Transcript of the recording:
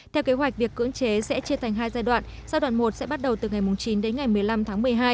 theo kế hoạch việc cưỡng chế sẽ chia thành hai giai đoạn giai đoạn một sẽ bắt đầu từ ngày chín đến ngày một mươi năm tháng một mươi hai